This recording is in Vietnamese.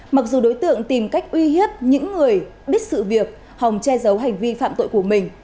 mặc dù đối tượng tìm cách uy hiếp những người biết sự việc hòng che giấu hành vi phạm tội của mình